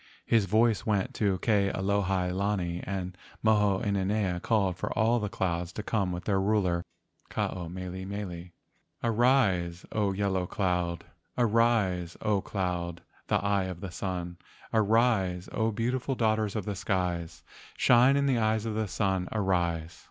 His voice went to Ke alohi THE MAID OF THE GOLDEN CLOUD 131 lani, and Mo o inanea called for all the clouds to come with their ruler Ke ao mele mele. "Arise, O yellow cloud, Arise, O cloud—the eye of the sun. Arise, O beautiful daughters of the skies, Shine in the eyes of the sun, arise!"